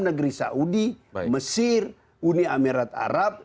negeri saudi mesir uni emirat arab